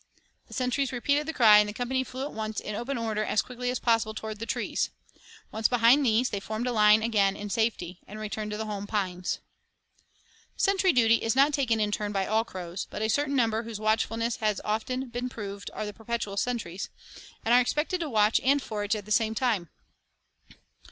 The sentries repeated the cry and the company flew at once in open order as quickly as possible toward the trees. Once behind these, they formed line again in safety and returned to the home pines. Sentry duty is not taken in turn by all the crows, but a certain number whose watchfulness has been often proved are the perpetual sentries, and are expected to watch and forage at the same time.